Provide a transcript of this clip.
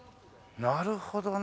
なるほどね。